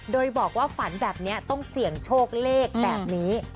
โดยบอกว่าฝันแบบนี้ต้องเสี่ยงโชคเลขแบบนี้